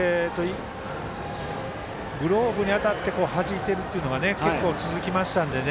グローブに当たってはじいてるというのが結構、続きましたんでね。